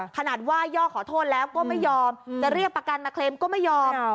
ขนาดว่าย่อขอโทษแล้วก็ไม่ยอมจะเรียกประกันมาเคลมก็ไม่ยอม